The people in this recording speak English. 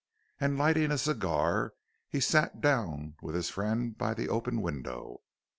And lighting a cigar, he sat down with his friend by the open window.